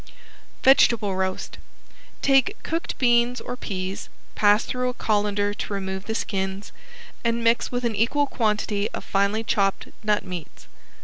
~VEGETABLE ROAST~ Take cooked beans or peas, pass through a colander to remove the skins, and mix with an equal quantity of finely chopped nut meats.